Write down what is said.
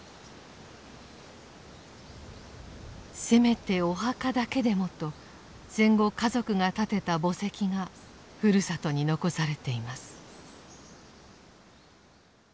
せめてお墓だけでもと戦後家族が建てた墓石がふるさとに残されています。